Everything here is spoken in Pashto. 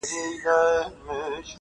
که د خولې مهر په حلوا مات کړي,